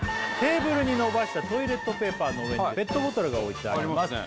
テーブルにのばしたトイレットペーパーの上にペットボトルが置いてあります